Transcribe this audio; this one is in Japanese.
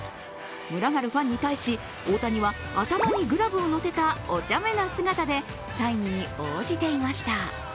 群がるファンに対し、大谷は頭にグラブを載せたお茶目な姿でサインに応じていました。